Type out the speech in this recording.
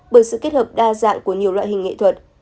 bởi sự kết hợp đa dạng của nhiều loại hình nghệ thuật